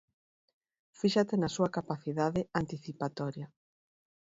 Fíxate na súa capacidade anticipatoria.